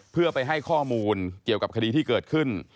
เพื่อไปให้ข้อมูลเกี่ยวกับคดีที่เกิดขึ้น